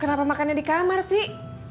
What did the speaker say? kenapa makannya di kamar sih